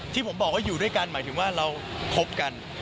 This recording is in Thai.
ที่ผมบอกว่าอยู่ด้วยกันหมายถึงว่าเราคบกัน